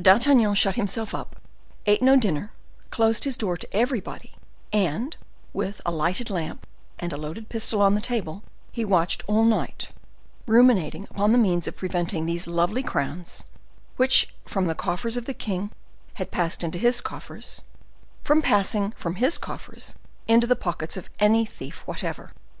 D'Artagnan shut himself up, ate no dinner, closed his door to everybody, and, with a lighted lamp, and a loaded pistol on the table, he watched all night, ruminating upon the means of preventing these lovely crowns, which from the coffers of the king had passed into his coffers, from passing from his coffers into the pockets of any thief whatever.